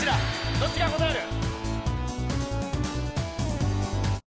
どっちが答える？